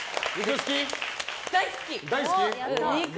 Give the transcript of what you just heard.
大好き！